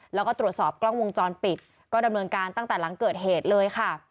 แล้วก็ตรวจสอบกล้องวงจรปิดก็ดำเนินการตั้งแต่หลังเกิดเหตุเลยค่ะ